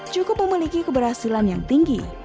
cukup memiliki keberhasilan yang tinggi